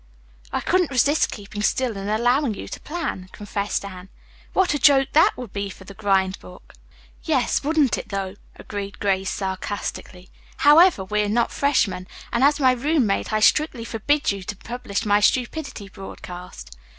"I couldn't resist keeping still and allowing you to plan," confessed Anne. "What a joke that would be for the grind book!" "Yes, wouldn't it though?" agreed Grace sarcastically. "However, we are not freshmen, and as my roommate I strictly forbid you to publish my stupidity broadcast.